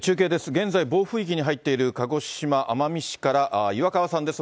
現在、暴風域に入っている鹿児島・奄美市から岩川さんです。